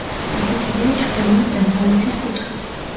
ასეთივეა ჩრდილოეთ-დასავლეთის კუთხეც.